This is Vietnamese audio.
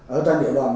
ở trên địa đoàn